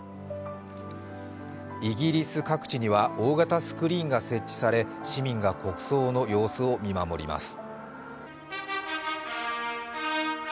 イギリス各地には大型スクリーンが設置され、市民が国葬の様子を見守ります。